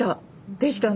できたね。